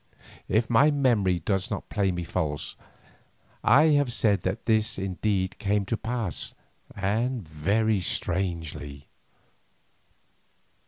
If my memory does not play me false, I have said that this indeed came to pass, and very strangely.